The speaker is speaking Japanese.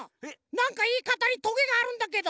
なんかいいかたにとげがあるんだけど。